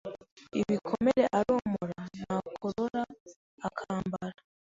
Ibikomere aromora Nakorora akambara